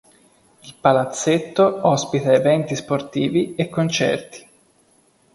Il palazzetto ospita eventi sportivi e concerti.